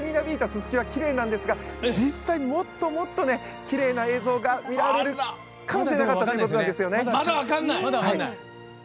ススキはきれいなんですが実際、もっともっときれいな映像が見られるかもしれないだったということなんです。